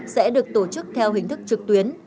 sẽ được tổ chức theo hình thức trực tuyến